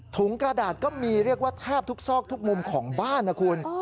กระดาษก็มีเรียกว่าแทบทุกซอกทุกมุมของบ้านนะคุณ